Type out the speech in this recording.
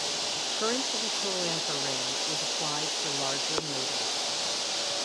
Current in the kiloampere range was applied for larger motors.